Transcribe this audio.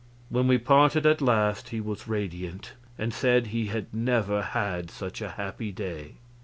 When we parted at last, he was radiant, and said he had never had such a happy day.